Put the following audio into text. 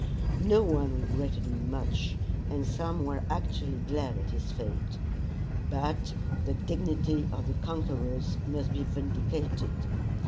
No one regretted him much, and some were actually glad at his fate. But the dignity of the conquerors must be vindicated.